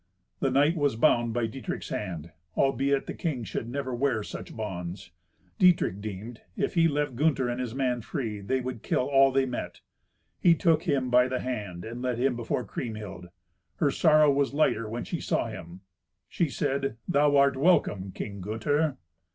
The knight was bound by Dietrich's hand, albeit a king should never wear such bonds. Dietrich deemed, if he left Gunther and his man free, they would kill all they met. He took him by the hand, and let him before Kriemhild. Her sorrow was lighter when she saw him. She said, "Thou art welcome, King Gunther."